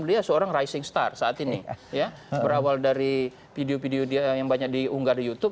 dia seorang rising star saat ini ya berawal dari video video dia yang banyak diunggah di youtube